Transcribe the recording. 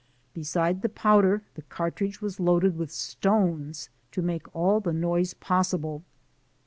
Besides the powder the car tridge was loaded with stones to make all the noise possible.